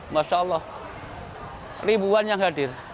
masya allah ribuan yang hadir